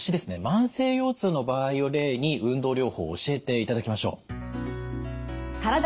慢性腰痛の場合を例に運動療法を教えていただきましょう。